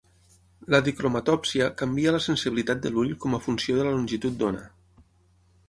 La dicromatòpsia canvia la sensibilitat de l'ull com a funció de la longitud d'ona.